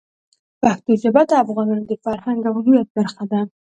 پښتو ژبه د افغانانو د فرهنګ او هویت برخه ده.